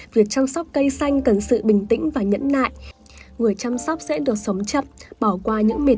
vì mình thấy những người